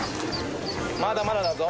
まだまだだぞ。